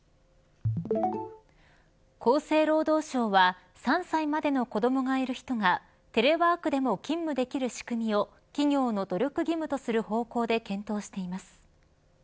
厚生労働省は３歳までの子どもがいる人がテレワークでも勤務できる仕組みを企業の努力義務とする方向で検討しています。